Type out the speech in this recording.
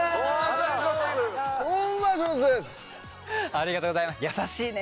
ありがとうございます優しいね。